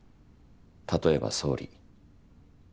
例えば総理。